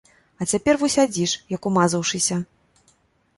А цяпер во сядзіш, як умазаўшыся!